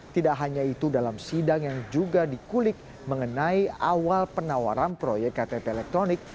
tidak hanya itu dalam sidang yang juga dikulik mengenai awal penawaran proyek ktp elektronik